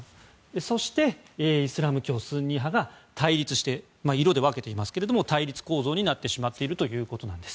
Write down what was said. そして、イスラム教スンニ派が色で分けていますが対立構造になっているということです。